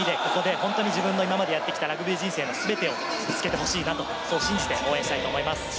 今までやってきたラグビー人生の全てをぶつけてほしいと信じて応援したいと思います。